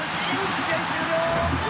試合終了！